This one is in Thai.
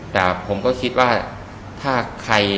แต่ผมก็คิดว่า